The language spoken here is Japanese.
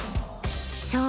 そう